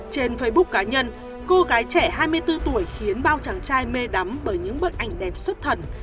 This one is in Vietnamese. trên facebook cá nhân cô gái trẻ hai mươi bốn tuổi khiến bao chàng trai mê đắm bởi những bức ảnh đẹp xuất thần